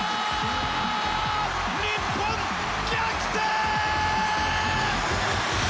日本逆転！